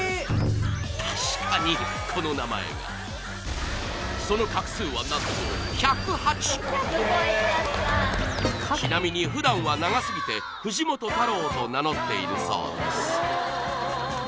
確かにこの名前がその画数は何とちなみに普段は長すぎて藤本太郎と名乗っているそうです